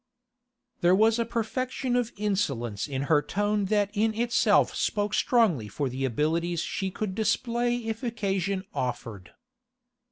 There was a perfection of insolence in her tone that in itself spoke strongly for the abilities she could display if occasion offered.